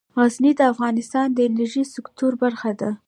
غزني د افغانستان د انرژۍ سکتور برخه ده.